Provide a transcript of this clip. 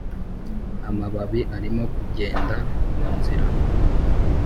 amababi arimo kugenda munzira